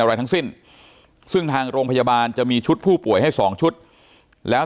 อะไรทั้งสิ้นซึ่งทางโรงพยาบาลจะมีชุดผู้ป่วยให้๒ชุดแล้ว